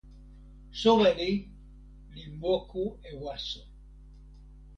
soweli li moku e waso.